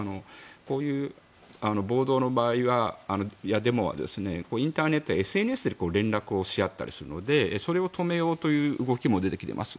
こういう暴動やデモの場合はインターネットやＳＮＳで連絡をし合ったりするのでそれを止めようという動きも出てきています。